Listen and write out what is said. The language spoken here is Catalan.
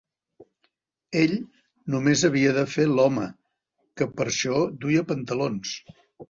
Ell no més havia de fer l'home, que per això duia pantalons